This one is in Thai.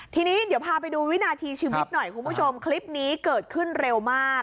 ทีนี้เดี๋ยวพาไปดูวินาทีชีวิตหน่อยคุณผู้ชมคลิปนี้เกิดขึ้นเร็วมาก